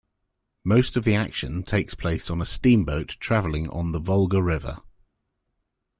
Most of the action takes place on a steamboat travelling on the Volga River.